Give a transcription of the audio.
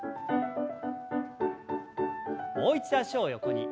もう一度脚を横に。